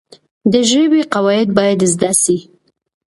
د ژبي قواعد باید زده سي.